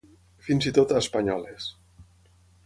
Fins i tot espanyoles.